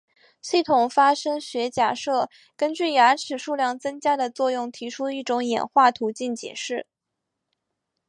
系统发生学假设根据牙齿数量增加的作用提出一种演化途径解释。